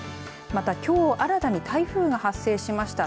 また、きょう新たに台風が発生しました。